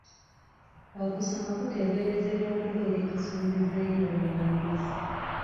Okusoma kuteeberezebwa okubeera ekisumuluzo eri obuwanguzi.